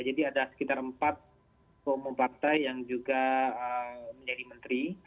jadi ada sekitar empat umum partai yang juga menjadi menteri